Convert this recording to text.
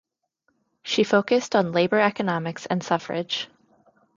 She focused on labour economics and suffrage.